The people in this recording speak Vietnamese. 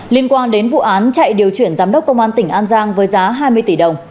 liên quan đến vụ án chạy điều chuyển giám đốc công an tỉnh an giang với giá hai mươi tỷ đồng